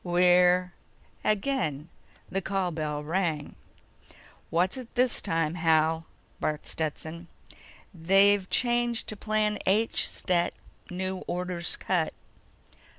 We're—" Again the call bell rang. "What is it this time, Hal?" barked Stetson. "They've changed to Plan H, Stet. New orders cut."